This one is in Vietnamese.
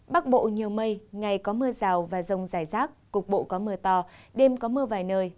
bắc bộ nhiều mây ngày có mưa rào và rông rải rác cục bộ có mưa to đêm có mưa vài nơi